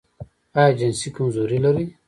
ایا جنسي کمزوري لرئ؟